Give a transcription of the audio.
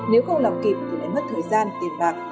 nếu không làm kịp thì lại mất thời gian tiền bạc